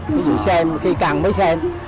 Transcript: ví dụ xem khi cần mới xem